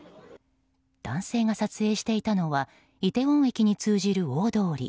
男性が撮影していたのはイテウォン駅に通じる大通り。